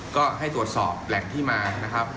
ก็ให้ตรวจสอบแหล่งที่มานะครับ